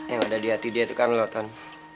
yang ada di hati dia itu kan lo ton